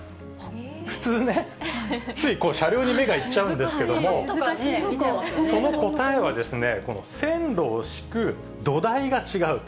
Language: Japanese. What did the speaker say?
普通ね、こう車両に目がいっちゃうんですけれども、その答えはですね、線路を敷く土台が違う。